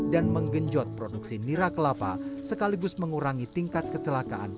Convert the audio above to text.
dan menggenjot produksi nira kelapa sekaligus mengurangi tingkat kecelakaan